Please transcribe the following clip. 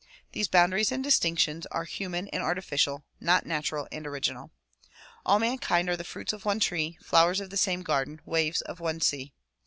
These boundaries and distinctions are human and artificial, not natural and original. All mankind are the fruits of one tree, flowers of the same garden, waves of one sea.